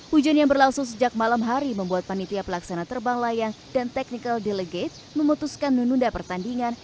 hujan yang berlangsung sejak malam hari membuat panitia pelaksana terbang layang dan technical delegate memutuskan menunda pertandingan